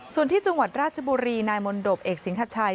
ส่วนที่จังหวัดราชบุรีนายมนตบเอกสิงหชัย